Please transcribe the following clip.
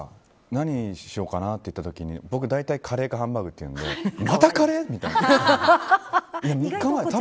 何にしようかなって言った時に僕、大体カレーかハンバーグって言うので、またカレー？みたいな。